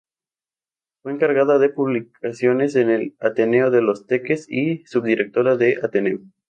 Fue encargada de publicaciones en el Ateneo de Los Teques y subdirectora de "Ateneo.